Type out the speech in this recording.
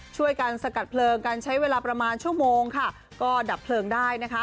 ช่วยกันสกัดเพลิงกันใช้เวลาประมาณชั่วโมงค่ะก็ดับเพลิงได้นะคะ